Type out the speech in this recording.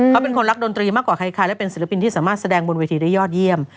เขาเป็นคนรักดนตรีมากกว่าใครและเป็นศิลปินที่สามารถแสดงบนเวทีได้ยอดเยี่ยม